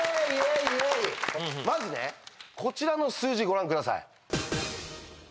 まずねこちらの数字ご覧ください。